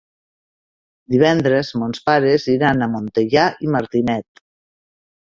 Divendres mons pares iran a Montellà i Martinet.